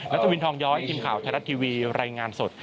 ตวินทองย้อยทีมข่าวไทยรัฐทีวีรายงานสด